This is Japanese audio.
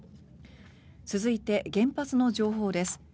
続いて、原発の情報です。